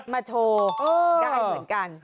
มาโชว์ได้เหมือนกัน